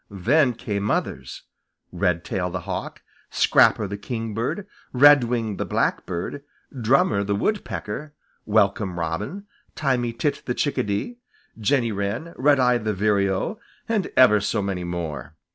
Then came others, Redtail the Hawk, Scrapper the Kingbird, Redwing the Blackbird, Drummer the Woodpecker, Welcome Robin, Tommy Tit the Chickadee, Jenny Wren, Redeye the Vireo, and ever so many more.